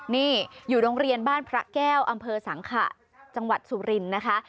นี่อยู่โรงเรียนบ้านพระแก้วอำเภอสังขะจังหวัดสุรินทร์นะคะ